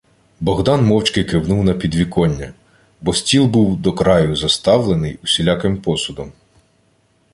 Богдан мовчки кивнув на підвіконня, бо стіл був до краю заставлений усіляким посудом.